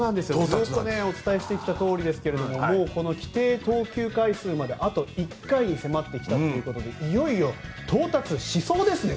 ずっとお伝えしてきたとおりですが規定投球回数まで、あと１回に迫ってきたということでいよいよ到達しそうですね。